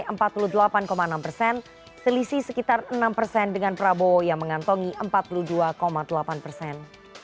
ada empat puluh delapan enam persen selisih sekitar enam persen dengan prabowo yang mengantongi empat puluh dua delapan persen